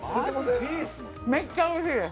めっちゃおいしいです。